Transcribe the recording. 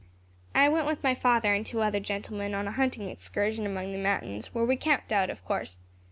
"I went with my father and two other gentlemen, on a hunting excursion among the mountains, where we camped out, of course.